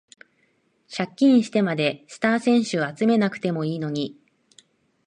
借金してまでスター選手集めなくてもいいのに